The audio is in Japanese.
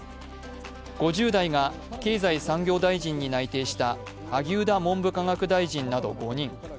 ５０代が経済産業大臣に内定した萩生田文部科学大臣など５人。